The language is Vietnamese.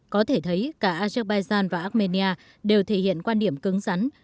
có thể thấy cả azerbaijan và armenia đều thể hiện quan điểm cứng rắn